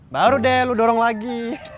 baru deh lu dorong lagi